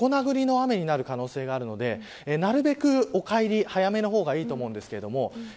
なので、横殴りの雨になる可能性があるのでなるべくお帰り早めの方がいいと思います。